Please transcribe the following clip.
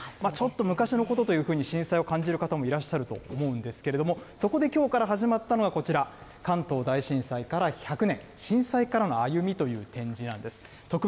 ちょっと昔のことというふうに、震災を感じる方もいらっしゃると思うんですけれども、そこできょうから始まったのがこちら、関東大震災から１００年、震災からのあゆみという展示なんです。